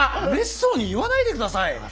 うれしそうに言わないでください！